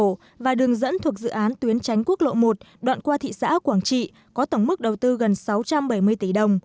đường hồ và đường dẫn thuộc dự án tuyến tránh quốc lộ một đoạn qua thị xã quảng trị có tổng mức đầu tư gần sáu trăm bảy mươi tỷ đồng